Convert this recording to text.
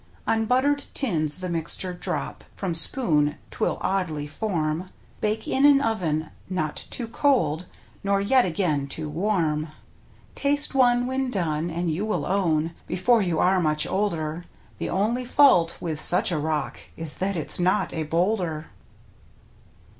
On buttered tins the mixture drop From spoon — 'twill oddly form — Bake in an oven not too cold, Nor yet again too warm. Taste one when done, and you will own. Before you are much older. The only fault with such a rock Is that it's not a boulder.